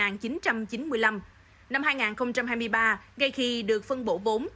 năm hai nghìn hai mươi ba ngay khi được phân bổ vốn